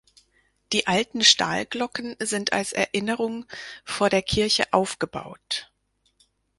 Die alten Stahlglocken sind als Erinnerung vor der Kirche aufgebaut.